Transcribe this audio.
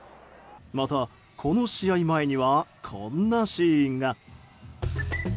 また、この試合前にはこんなシーンが。